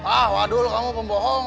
ah waduh kamu pembohong